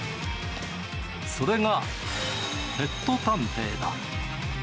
それが、ペット探偵だ。